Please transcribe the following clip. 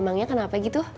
memangnya kenapa gitu